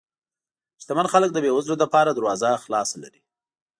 شتمن خلک د بې وزلو لپاره دروازه خلاصه لري.